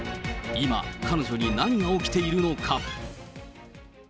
今、彼女に何が起きているのか。